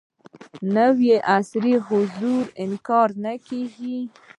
نوي عصر حضور انکار نه کېږي.